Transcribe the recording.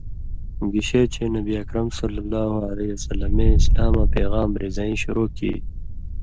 گشے چے نبی اکرم صلی اللہ علیہ وسلمے اِسلاماں پېغام رِزَیں شروع کیریۡ